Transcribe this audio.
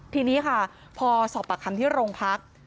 ทีนี้ค่ะพอทดสอบประคัมที่โรงพักษณ์